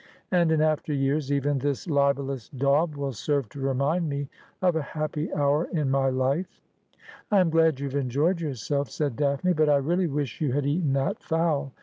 And, in after years, even this libellous daub will serve to remind me of a happy hour in my life.' ' I am glad you have enjoyed yourself,' said Daphne ;' but I really wish you had eaten that fowl.